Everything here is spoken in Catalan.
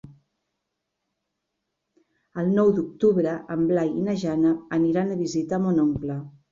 El nou d'octubre en Blai i na Jana aniran a visitar mon oncle.